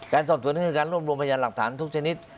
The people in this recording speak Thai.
สอบสวนนี่คือการรวบรวมพยานหลักฐานทุกชนิด